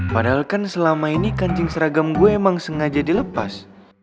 padahal kan selama ini kancing seragam gue emang sengaja dilepas